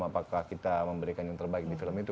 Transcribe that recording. apakah kita memberikan yang terbaik di film itu